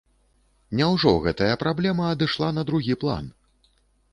Няўжо гэтая праблема адышла на другі план?